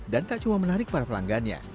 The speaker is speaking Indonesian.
dan tak cuma menarik para pelanggannya